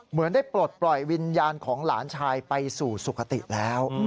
เหมือนได้ปลดปล่อยวิญญาณของหลานชายไปสู่สุขติแล้ว